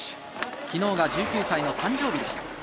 昨日が１９歳の誕生日でした。